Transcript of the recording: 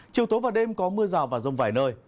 chiều tối và đêm có mưa rào và rông vài nơi